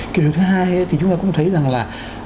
cái điều thứ hai thì chúng ta cũng thấy rằng là